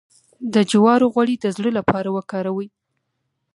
د جوارو غوړي د زړه لپاره وکاروئ